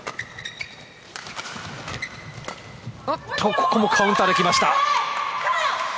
ここもカウンターできました。